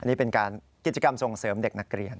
นี่เป็นการกิจกรรมส่งเสริมเด็กนักเรียน